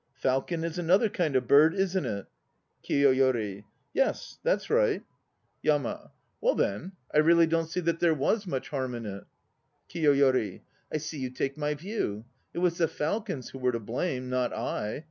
"Falcon" is another kind of bird, isn't it? KIYOYORI. Yes, that's right. 258 THE NO PLAYS OF JAPAN YAMA. Well then, I really don't see that there was much harm in it. KIYOYORI. I see you take my view. It was the falcons who were to blame, not I.